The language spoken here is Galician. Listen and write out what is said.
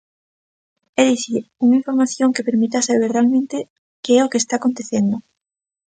É dicir, unha información que permita saber realmente que é o que está acontecendo.